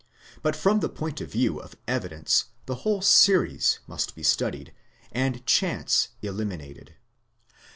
But from the point of view of evidence the whole series must be studied, and chance eliminated.